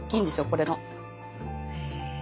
これの。へ。